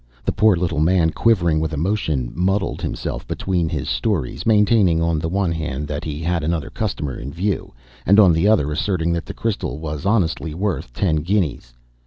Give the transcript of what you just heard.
The poor little man, quivering with emotion, muddled himself between his stories, maintaining on the one hand that he had another customer in view, and on the other asserting that the crystal was honestly worth ten guineas.